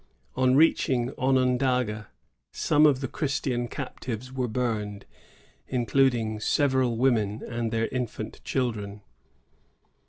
^ On reaching Onondaga, some of the Christian captives were burned, including several women and their infant children.